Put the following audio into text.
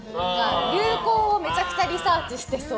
流行をめちゃくちゃリサーチしてそう。